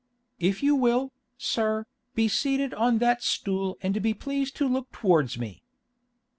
"If you will, sir, be seated on that stool and be pleased to look towards me."